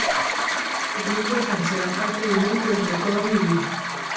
El Club de Fan será parte de mí durante toda mi vida.